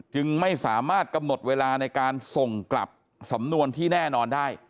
จึงไม่สามารถกำหนดเวลาในการส่งกลับสำนวนที่แน่นอนได้